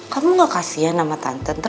kamu gak kasian sama tante